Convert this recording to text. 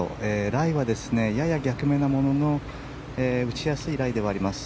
ライはやや逆目なものの打ちやすいライではあります。